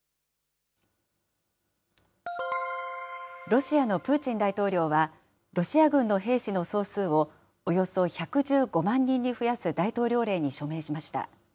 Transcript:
ロシアのプーチン大統領は、ロシア軍の兵士の総数を、およそ１１５万人に増やす大統領令に署名しました。